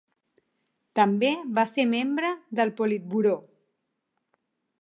També va ser membre del Politburó.